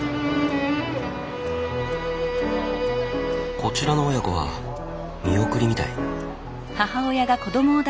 こちらの親子は見送りみたい。